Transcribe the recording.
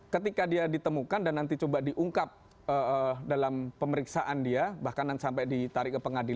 ketika dia ditemukan dan nanti coba diungkap dalam pemeriksaan dia bahkan sampai ditarik ke pengadilan